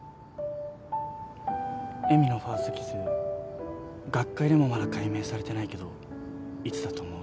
恵美のファーストキス学会でもまだ解明されてないけどいつだと思う？